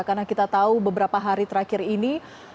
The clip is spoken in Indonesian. karena kita tahu beberapa hari terakhir ini